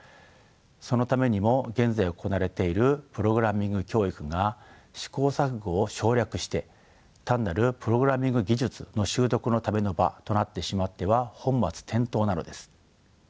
そのためにも現在行われているプログラミング教育が試行錯誤を省略して単なるプログラミング技術の習得のための場となってしまっては本末転倒なのです。